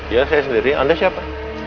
ya saya sendiri anda siapa